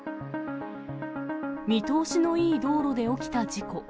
見通しのいい道路で起きた事故。